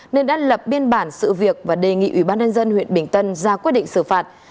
nên đã lập biên bản sự việc và đề nghị ủy ban nhân dân huyện bình tân ra quyết định xử phạt